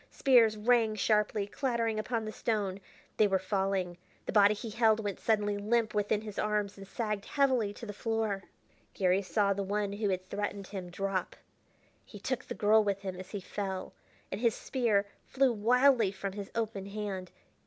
Spears rang sharply, clattering upon the stone.... They were falling. The body he held went suddenly limp within his arms and sagged heavily to the floor.... Garry saw the one who had threatened him drop; he took the girl with him as he fell, and his spear flew wildly from his open hand.